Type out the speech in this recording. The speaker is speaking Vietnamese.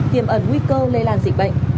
tiềm ẩn nguy cơ lây lan dịch bệnh